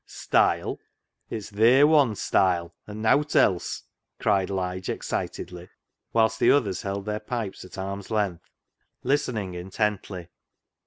" Style ! it's th' A i style, an' nowt else," cried Lige excitedly, whilst the others held their pipes at arm's length, listening intently.